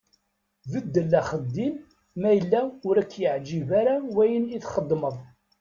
Beddel axeddim ma yella ur ak-yeɛǧib ara wayen i txeddmeḍ.